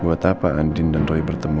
buat apa andin dan roy bertemu